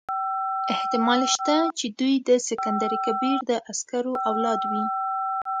احتمال شته چې دوی د سکندر کبیر د عسکرو اولاد وي.